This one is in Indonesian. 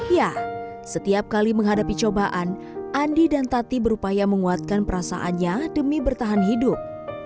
ya setiap kali menghadapi cobaan andi dan tati berupaya menguatkan perasaannya demi bertahan hidup